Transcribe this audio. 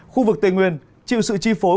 khu vực tây nguyên chịu sự chi phối